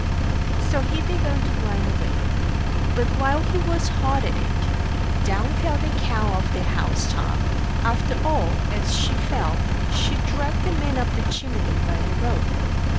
So he began to grind away; but while he was hard at it, down fell the cow off the house top after all, and as she fell, she dragged the man up the chimney by the rope.